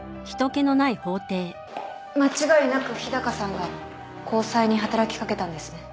間違いなく日高さんが高裁に働き掛けたんですね。